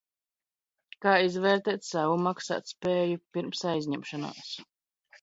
Kā izvērtēt savu maksātspēju pirms aizņemšanās?